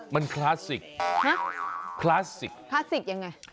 มันคลาสสิกคลาสสิกคลาสสิกยังไง